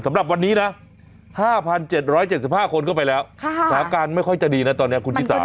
สำหรับวันนี้นะ๕๗๗๕คนเข้าไปแล้วสถานการณ์ไม่ค่อยจะดีนะตอนนี้คุณชิสา